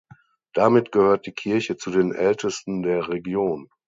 Damit gehört die Kirche zu den ältesten der Region.